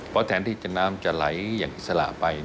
เพราะแทนที่น้ำจะไหลอย่างอิสระไป